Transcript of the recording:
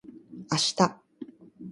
明日